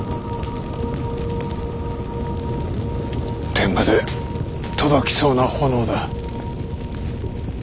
天まで届きそうな炎だ。